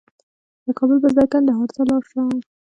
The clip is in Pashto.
د کابل په ځای کندهار ته لاړ شه